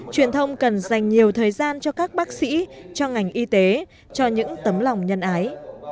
truyền thông cần dành nhiều thời gian cho các bác sĩ cho ngành y tế cho những tấm lòng nhân ái